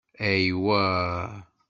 Aywa!